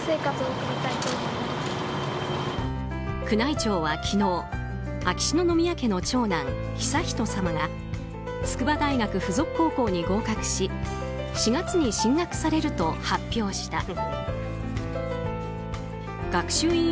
宮内庁は昨日秋篠宮家の長男・悠仁さまが筑波大学附属高校に合格し４月に進学されると発表した。